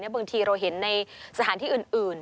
บางทีเราเห็นในสถานที่อื่น